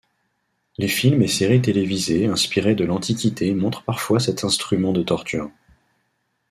Les films et séries télévisées inspirées de l'Antiquité montrent parfois cet instrument de torture.